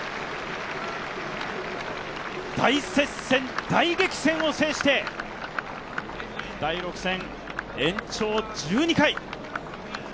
大接戦、大激戦を制して第６戦、延長１２回。